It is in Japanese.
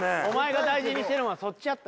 お前が大事にしてるんはそっち。